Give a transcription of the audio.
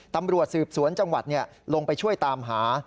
ตำรวจสืบสวนจังหวัดลงไปช่วยตามหา